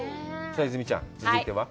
さあ泉ちゃん、続いては？